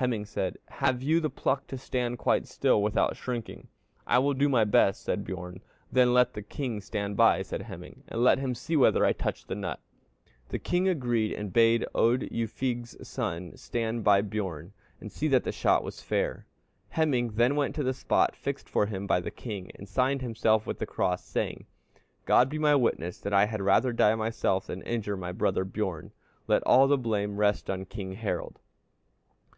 Hemingr said, 'Have you the pluck to stand quite still without shrinking?' 'I will do my best,' said Bjorn. 'Then let the king stand by,' said Hemingr, 'and let him see whether I touch the nut.' "The king agreed, and bade Oddr Ufeigs' son stand by Bjorn, and see that the shot was fair. Hemingr then went to the spot fixed for him by the king, and signed himself with the cross, saying, 'God be my witness that I had rather die myself than injure my brother Bjorn; let all the blame rest on King Harald.'